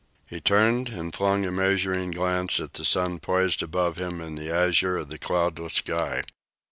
He turned and flung a measuring glance at the sun poised above him in the azure of the cloudless sky.